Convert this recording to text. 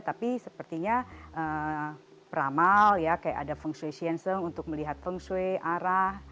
tapi sepertinya peramal ya kayak ada feng shui shienseng untuk melihat feng shui arah